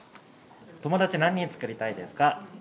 友達、何人作りたいですか？